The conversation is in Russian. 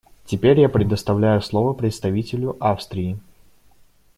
Теперь я предоставляю слово представителю Австрии.